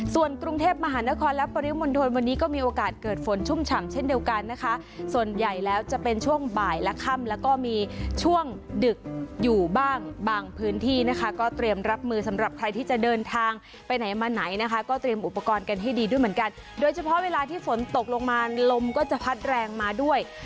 ส่วนกรุงเทพมหานครและปริมณฑลวันนี้ก็มีโอกาสเกิดฝนชุ่มฉ่ำเช่นเดียวกันนะคะส่วนใหญ่แล้วจะเป็นช่วงบ่ายและค่ำแล้วก็มีช่วงดึกอยู่บ้างบางพื้นที่นะคะก็เตรียมรับมือสำหรับใครที่จะเดินทางไปไหนมาไหนนะคะก็เตรียมอุปกรณ์กันให้ดีด้วยเหมือนกันโดยเฉพาะเวลาที่ฝนตกลงมาลมก็จะพัดแรงมาด้วย